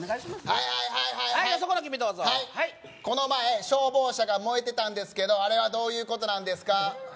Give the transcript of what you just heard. はいはいはいはいそこの君どうぞはいこの前消防車が燃えてたんですけどあれはどういうことなんですか？